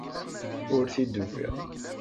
Ur t-id-ufiɣ.